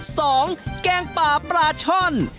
แกงป่าปลาช่อน